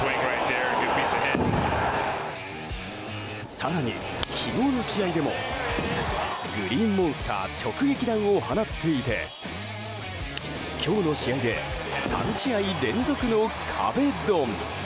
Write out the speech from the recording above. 更に、昨日の試合でもグリーンモンスター直撃弾を放っていて、今日の試合で３試合連続の壁ドン。